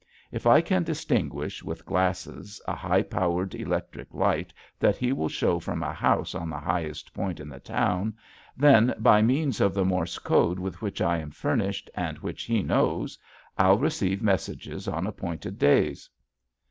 If I can distinguish, with glasses a high powered electric light that he will show from a house on the highest point in the town, then, by means of the Morse code with which I am furnished and which he knows, I'll receive messages on appointed days.